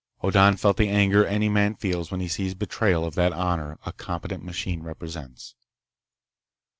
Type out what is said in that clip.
Hoddan felt the anger any man feels when he sees betrayal of that honor a competent machine represents.